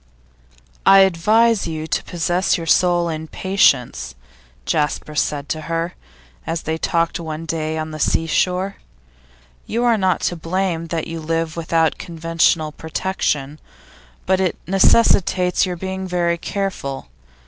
'I advise you to possess your soul in patience,' Jasper said to her, as they talked one day on the sea shore. 'You are not to blame that you live without conventional protection, but it necessitates your being very careful.